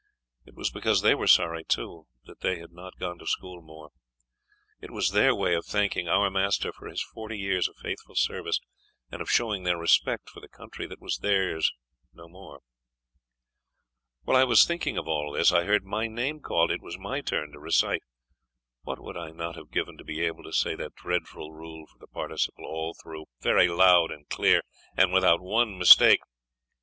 It was because they were sorry, too, that they had not gone to school more. It was their way of thanking our master for his forty years of faithful service and of showing their respect for the country that was theirs no more. While I was thinking of all this, I heard my name called. It was my turn to recite. What would I not have given to be able to say that dreadful rule for the participle all through, very loud and clear, and without one mistake?